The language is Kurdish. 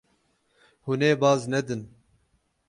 Hûn ê baz nedin.